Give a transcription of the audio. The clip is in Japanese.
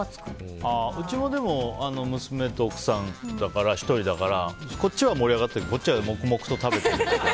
うちもでも娘と奥さんだから１人だから男１人だからそっちは盛り上がっているけどこっちは黙々と食べている。